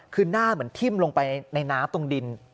คือหน้าเหมือนทิ้มลงไปในน้ำตรงดิน